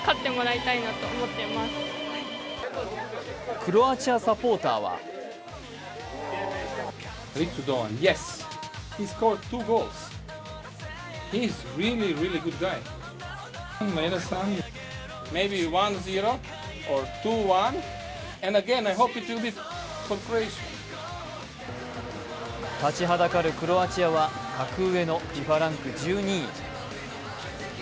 クロアチアサポーターは立ちはだかるクロアチアは格上のＦＩＦＡランク１２位。